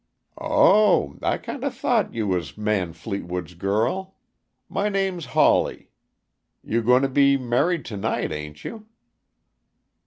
"Oh! I kinda thought you was Man Fleetwood's girl. My name's Hawley. You going to be married to night, ain't you?"